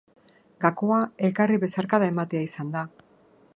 Gakoa, elkarri besarkada ematea izan da.